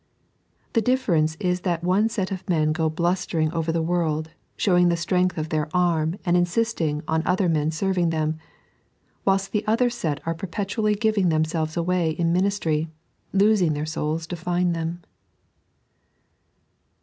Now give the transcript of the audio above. The difieronce is that one set of men go bluster ing over the world, showing the strength of their arm, and insisting on other men serving them ; whilst the other set are perpetually giving themselves away in ministry, losing their souls to find them.